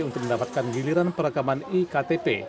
untuk mendapatkan giliran perekaman iktp